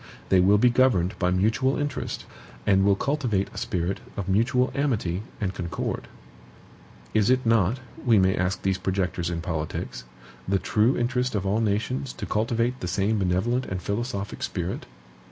They will be governed by mutual interest, and will cultivate a spirit of mutual amity and concord. Is it not (we may ask these projectors in politics) the true interest of all nations to cultivate the same benevolent and philosophic spirit?